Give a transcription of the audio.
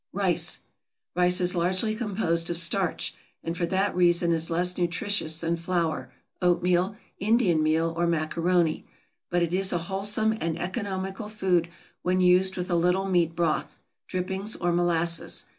=Rice.= Rice is largely composed of starch, and for that reason is less nutritious than flour, oatmeal, Indian meal, or macaroni; but it is a wholesome and economical food when used with a little meat broth, drippings, or molasses.